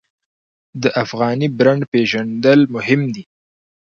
د افغاني برنډ پیژندل مهم دي